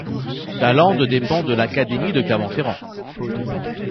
Tallende dépend de l'académie de Clermont-Ferrand.